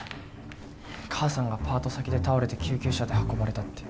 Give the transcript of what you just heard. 母さんがパート先で倒れて救急車で運ばれたって。